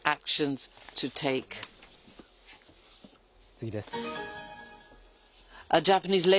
次です。